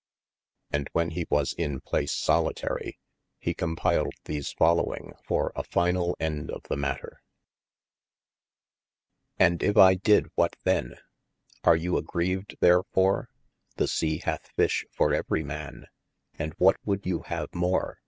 And when hee was in place sollitary, he compiled these following for a finall ende of the matter. ff 2 451 THE ADVENTURES And if I did what then f Are you agreeved therefore ? The Sea hath fishe for everie man, And what would you have more